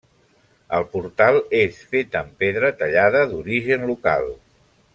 El portal és fet amb pedra tallada d'origen local.